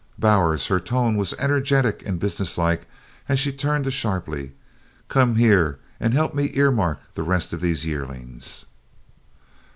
"Bowers!" Her tone was energetic and businesslike as she turned sharply. "Come here and help me earmark the rest of these yearlings."